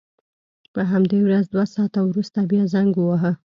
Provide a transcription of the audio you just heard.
په همدې ورځ دوه ساعته وروسته بیا زنګ وواهه.